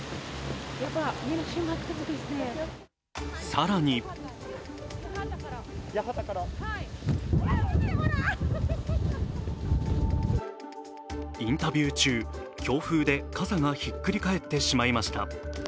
更にインタビュー中、強風で傘がひっくり返ってしまいました。